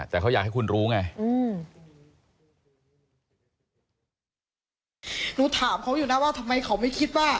แต่เขาอยากให้คุณรู้ไง